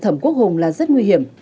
thẩm quốc hùng là rất nguy hiểm